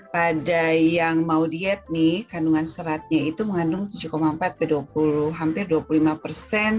pada yang mau diet nih kandungan seratnya itu mengandung tujuh empat ke dua puluh hampir dua puluh lima persen